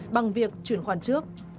bằng việc chuyển khoản trước